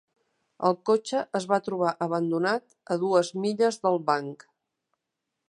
El cotxe es va trobar abandonat a dues milles del banc.